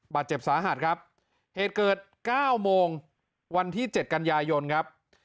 บาดเจ็บสาหัสครับเหตุเกิดเก้าโมงวันที่เจ็ดกันยายนครับ